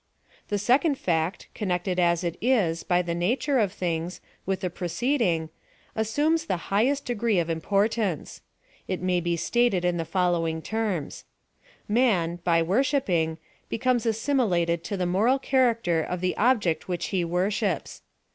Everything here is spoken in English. The second fact, connected as it is, by the nature of things, with the preceding, assumes the highest degree of importance. It may be stated in the fol lowing terms i—Mati^ by worshipping, becomes as similated to the moral character of the object which he worships.